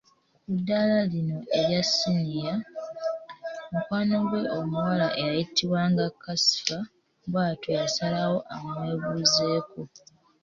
Ku ddaala lino erya ssiniya, Mukwano gwe omuwala eyayitibwanga Kasifa bwatyo yasalawo amwebuuzeeko.